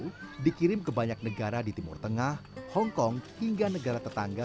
terutama ibu ibu dikirim ke banyak negara di timur tengah hongkong hingga negara tetangga